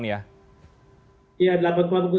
ya delapan perusahaan